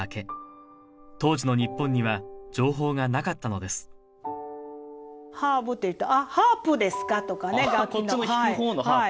当時の日本には情報がなかったのですハーブって言うと「ハープですか？」とかね。こっちの弾くほうのハープ。